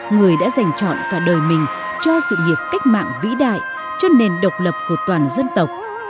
người đã giành chọn cả đời mình cho sự nghiệp cách mạng vĩ đại cho nền độc lập của toàn dân tộc